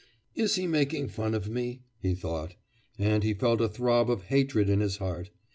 'Is he making fun of me?' he thought, and he felt a throb of hatred in his heart.